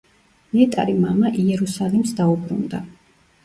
ნეტარი მამა იერუსალიმს დაუბრუნდა.